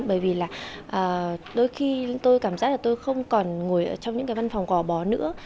bởi vì là đôi khi tôi cảm giác là tôi không còn ngồi ở trong những cái văn phòng gò bó nữa